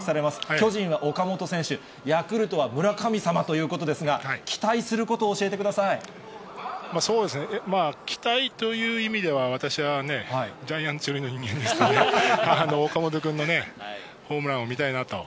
巨人は岡本選手、ヤクルトは村神様ということですが、期待するこそうですね、期待という意味では、私はジャイアンツ寄りの人間ですからね、岡本君のね、ホームランを見たいなと。